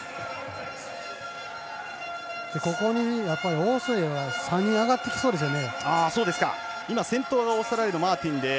オーストラリアは３人上がってきそうですね。